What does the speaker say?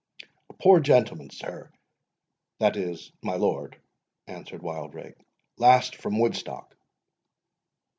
"A poor gentleman, sir,—that is, my lord,"—answered Wildrake; "last from Woodstock."